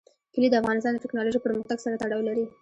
کلي د افغانستان د تکنالوژۍ پرمختګ سره تړاو لري.